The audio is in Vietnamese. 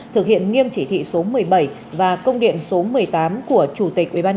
thực hiện nghiêm chỉ thị số một mươi bảy và công điện số một mươi tám của chủ tịch ubnd